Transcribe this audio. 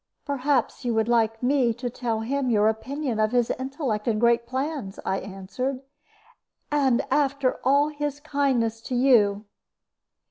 "Perhaps you would like me to tell him your opinion of his intellect and great plans," I answered. "And after all his kindness to you!"